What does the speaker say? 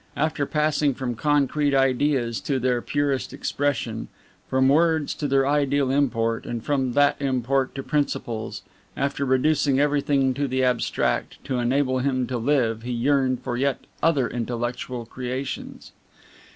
After passing from concrete ideas to their purest expression, from words to their ideal import, and from that import to principles, after reducing everything to the abstract, to enable him to live he yearned for yet other intellectual creations.